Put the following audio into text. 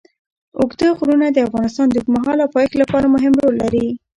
اوږده غرونه د افغانستان د اوږدمهاله پایښت لپاره مهم رول لري.